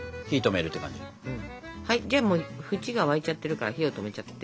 はいじゃあもう縁が沸いちゃってるから火を止めちゃって。